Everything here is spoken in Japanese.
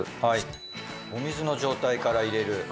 はいお水の状態から入れる？